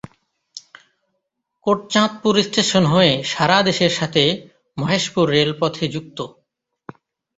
Kotchandpur station হয়ে সারাদেশের সাথে মহেশপুর রেল পথে যুক্ত।